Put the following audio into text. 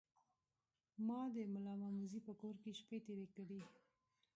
ما د ملامموزي په کور کې شپې تیرې کړې.